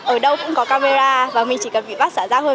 ở đâu cũng có camera và mình chỉ cần bị bắt xả rác thôi